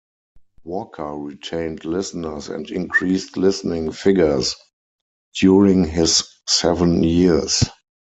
Walker retained listeners and increased listening figures during his seven years.